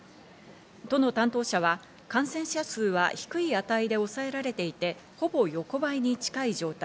都の担当者は感染者数は低い値で抑えられていて、ほぼ横ばいに近い状態。